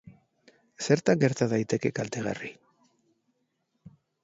Zertan gerta daiteke kaltegarri?